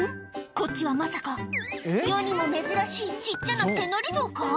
こっちはまさか世にも珍しい小っちゃな手乗り象か？